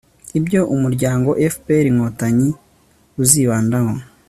ibyo umuryango fpr-inkotanyi uzibandaho